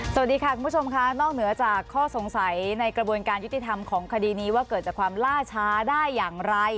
สวัสดีค่ะคุณผู้ชมค่ะนอกเหนือจากข้อสงสัยในกระบวนการยุติธรรมของคดีนี้ว่าเกิดจากความล่าช้าได้อย่างไร